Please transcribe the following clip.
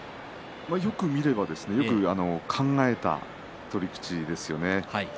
よく見ればよく考えた取り口ですよね。